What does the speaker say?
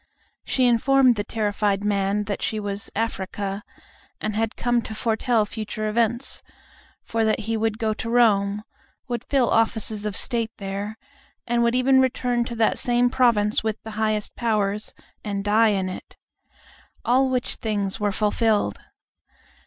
She informed the terrified man that she was "Africa," and had come to foretell future events; for that he would go to Rome, would fill offices of state there, and would even return to that same province with the highest powers, and die in it. All which things were fulfilled.